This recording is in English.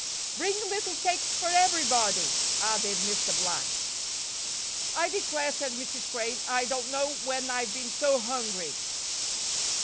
"Bring little cakes for everybody," added Mr. Black. "I declare," said Mrs. Crane, "I don't know when I've been so hungry."